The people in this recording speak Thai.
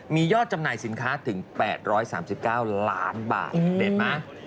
มียอดจำหน่ายสินค้าถึง๘๓๙ล้านบาทเห็นไหม